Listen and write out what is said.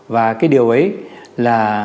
và cái điều ấy là